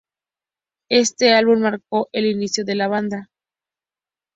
Este álbum marcó el inicio de la banda.